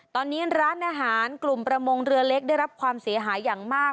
ตอนนี้ร้านอาหารกลุ่มประมงเรือเล็กได้รับความเสียหายอย่างมาก